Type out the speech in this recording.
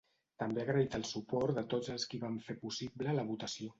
També ha agraït el suport de tots els qui van fer possible la votació.